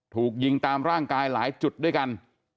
ถูกยิงตามร่างกายหลายจุดด้วยกัน